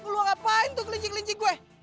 gue ngapain tuh kelinci kelinci gue